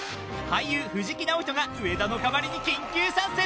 俳優・藤木直人が上田の代わりに緊急参戦。